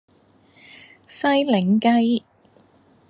西檸雞